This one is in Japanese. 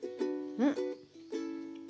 うん。